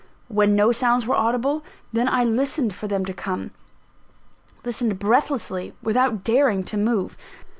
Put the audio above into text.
When no sounds were audible, then I listened for them to come listened breathlessly, without daring to move.